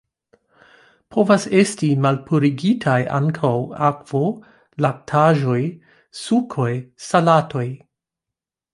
Povas esti malpurigitaj ankaŭ akvo, laktaĵoj, sukoj, salatoj.